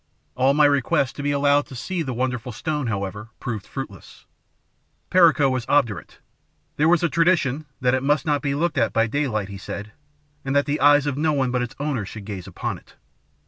All my requests to be allowed to see the wonderful stone, however, proved fruitless, Perico was obdurate. There was a tradition that it must not be looked at by daylight, he said, and that the eyes of no one but its owner should gaze upon it.